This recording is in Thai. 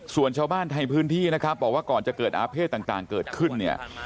ส่วนชาวบ้านไทยพื้นที่นะครับบอกว่าก่อนจะเกิดอาเภษต่างเกิดขึ้นเนี่ย